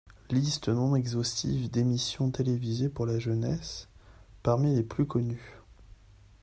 Liste non exhaustive d'émissions télévisées pour la jeunesse, parmi les plus connues.